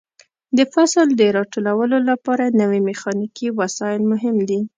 د فصل د راټولولو لپاره نوې میخانیکي وسایل مهم دي.